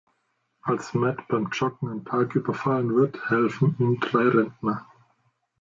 Als Matt beim Joggen im Park überfallen wird, helfen ihm drei Rentner.